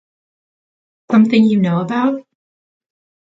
Something you know about?